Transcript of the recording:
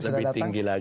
lebih tinggi lagi